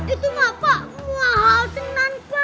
ini pak gini aja